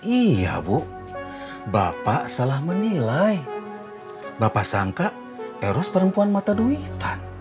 iya bu bapak salah menilai bapak sangka eros perempuan mata duitan